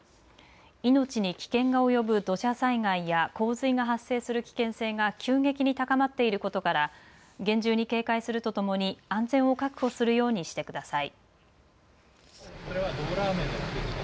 命に危険が及ぶ土砂災害や洪水が発生する危険性が急激に高まっていることから厳重に警戒するとともに安全を確保するようにしてください。